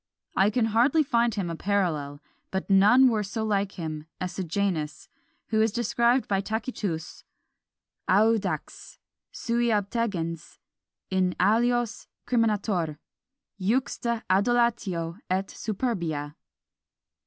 I can hardly find him a parallel; but none were so like him as Sejanus, who is described by Tacitus, Audax; sui obtegens, in alios criminator; juxta adulatio et superbia.